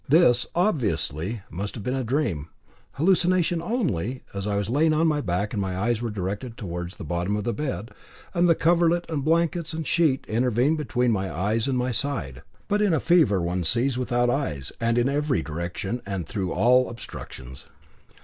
This, obviously, must have been a dream, hallucination only, as I was lying on my back and my eyes were directed towards the bottom of the bed, and the coverlet and blankets and sheet intervened between my eyes and my side. But in fever one sees without eyes, and in every direction, and through all obstructions.